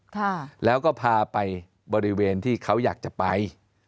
ค่ะแล้วก็พาไปบริเวณที่เขาอยากจะไป